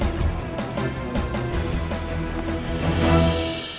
iya nggak usah jeda di tempating